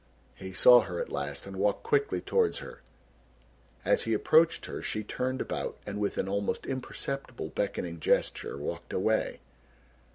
He saw her at last and walked quickly towards her. As he approached her, she turned about and with an almost imperceptible beckoning gesture walked away.